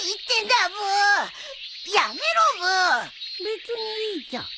別にいいじゃん。